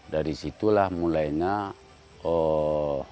dari situlah mulainya niat untuk membuat homestay ini